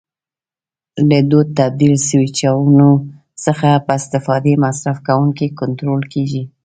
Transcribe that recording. له دوو تبدیل سویچونو څخه په استفادې مصرف کوونکی کنټرول کېږي.